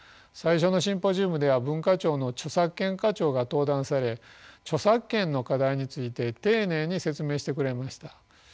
最初のシンポジウムでは文化庁の著作権課長が登壇され著作権の課題について丁寧に説明してくれました。